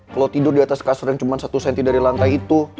kalau tidur di atas kasur yang cuma satu cm dari lantai itu